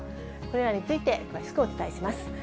これらについて詳しくお伝えします。